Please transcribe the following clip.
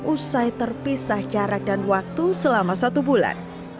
usai terpisah jarak dan waktu selama satu bulan